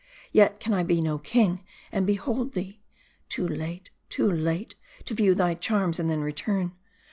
Yet can I be no king, and behold thee ! Too late, too late, to view thy charms and then return.